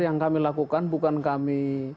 yang kami lakukan bukan kami